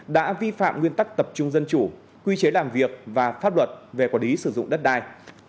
đã vi phạm nguyên tắc tập trung dân chủ quy chế làm việc và pháp luật về quản lý sử dụng đất đai